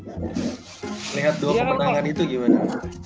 liat dua kepenangan itu gimana